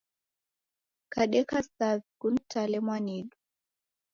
Kadeka savi kunitale mwanidu